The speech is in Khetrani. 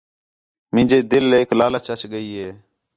مینجے دِلیک لالچ اَچ ڳئی ہِے